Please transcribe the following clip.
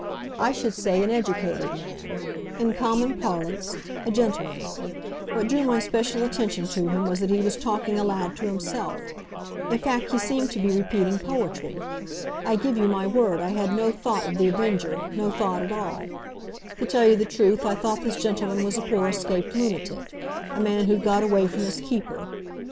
I should say an educated man—in common parlance, a gentleman. What drew my special attention to him was that he was talking aloud to himself—in fact, he seemed to be repeating poetry. I give you my word, I had no thought of The Avenger, no thought at all. To tell you the truth, I thought this gentleman was a poor escaped lunatic, a man who'd got away from his keeper.